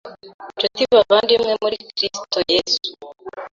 Nshuti bavandimwe muri Kristo Yesu,